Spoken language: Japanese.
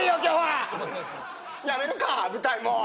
やめるか舞台もう！